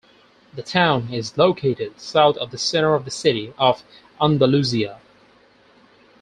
The town is located south of the center of the city of Andalusia.